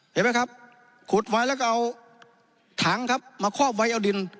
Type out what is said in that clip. เห็นไหมครับขุดไว้แล้วก็เอาถังครับมาคอบไว้เอาดิน